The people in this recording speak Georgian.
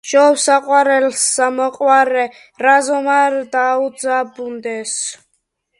სჯობს, საყვარელსა მოყვარე რაზომც არ დაუძაბუნდეს.